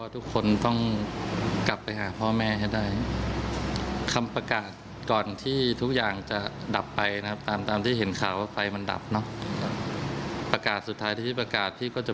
คุกป้องค่ะลองฟังเสียงท่านหน่อยนะคะ